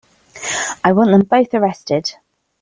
I want them both arrested.